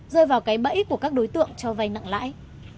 rơi vào cái bẫy của các đối tượng cho vay nặng lãi